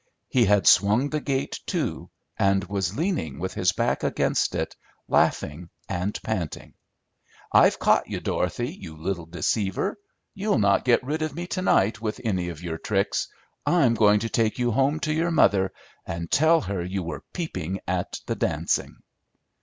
He had swung the gate to and was leaning with his back against it, laughing and panting. "I've caught you, Dorothy, you little deceiver! You'll not get rid of me to night with any of your tricks. I'm going to take you home to your mother and tell her you were peeping at the dancing."